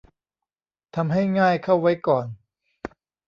ทำให้ง่ายเข้าไว้ก่อน